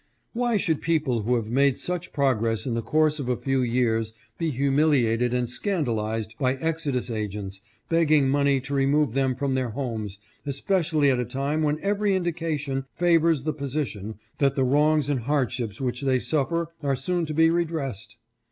" Why should people who have made such progress in the course of a few years be humiliated and scandalized by exodus agents, beg ging money to remove them from their homes, especially at a time when every indication favors the position that the wrongs and hard ships which they suffer are soon to be redressed?